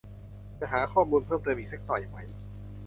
จะหาข้อมูลเพิ่มเติมอีกสักหน่อยไหม